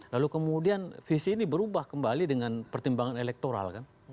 lalu kemudian visi ini berubah kembali dengan pertimbangan elektoral kan